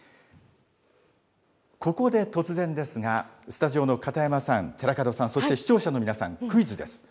ここで突然ですが、スタジオの片山さん、寺門さん、そして視聴者の皆さん、クイズです。